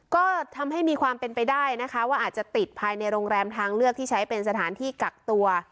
ก็ทำให้มีความเป็นไปได้นะคะว่าอาจจะติดภายในโรงแรมทางเลือกที่ใช้เป็นสถานที่กักตัว